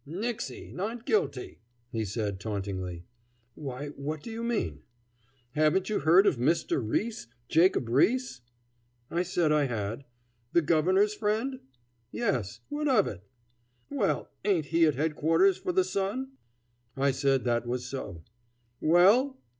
"Nixie! not guilty!" he said tauntingly. "Why, what do you mean?" "Haven't you heard of Mr. Riis, Jacob Riis?" I said I had. "The Governor's friend?" "Yes; what of it?" "Well, ain't he at Headquarters for the Sun?" I said that was so. "Well?"